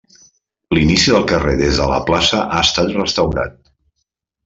L'inici del carrer des de la plaça ha estat restaurat.